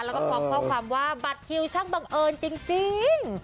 แล้วก็พร้อมข้อความว่าบัตรคิวช่างบังเอิญจริง